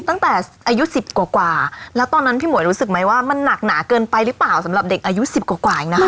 ตั้งแต่อายุสิบกว่าแล้วตอนนั้นพี่หมวยรู้สึกไหมว่ามันหนักหนาเกินไปหรือเปล่าสำหรับเด็กอายุสิบกว่าเองนะคะ